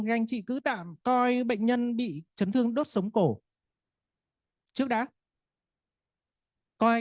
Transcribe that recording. thì anh chị cứ tạm coi bệnh nhân bị chấn thương đốt sống cổ trước đã